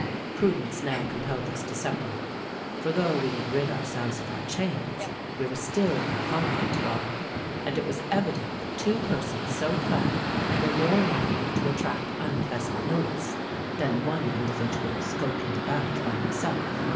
Prudence now compelled us to separate; for though we had rid ourselves of our chains, we were still in our convict garb; and it was evident that two persons so clad were more likely to attract unpleasant notice, than one individual skulking about by himself.